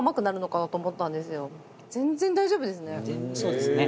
全然大丈夫ですね。